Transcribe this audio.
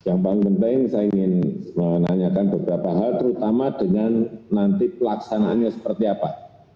yang paling penting saya ingin menanyakan beberapa hal terutama dengan nanti pelaksanaannya seperti apa